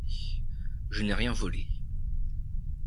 Je n'ai rien volé.